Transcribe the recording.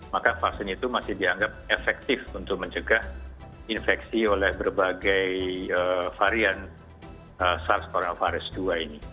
maka vaksin itu masih dianggap efektif untuk mencegah infeksi oleh berbagai varian sars cov dua ini